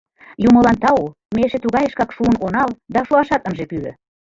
Юмылан тау, ме эше тугайышкак шуын онал да шуашат ынже пӱрӧ.